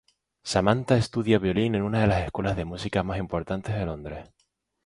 Samantha estudia violín en una de las escuelas de música más importantes de Londres.